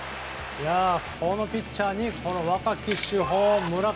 このピッチャーにこの若き主砲、村上。